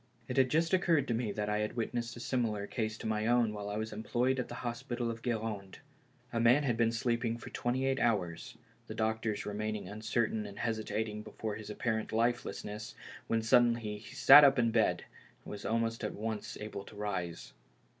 It had just occurred to me that I had witnessed a case similar to my own while I was employed at the hospital of Gud rande. A man had been sleeping for twenty eight hours; the doctors remaining uncertain and hesitating before his apparent lifelessness, when suddenly he sat up in bed, and was almost at once able to rise.